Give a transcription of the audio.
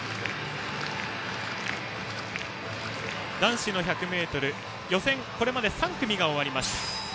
男子１００ｍこれまで予選３組が終わりました。